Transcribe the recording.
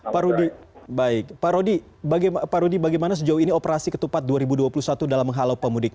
pak rudi baik pak rudy bagaimana sejauh ini operasi ketupat dua ribu dua puluh satu dalam menghalau pemudik